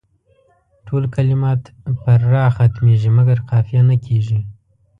ټول کلمات پر راء ختمیږي مګر قافیه نه کیږي.